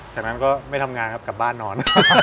จากนั้นก็ไม่ทำงานครับกลับบ้านนอน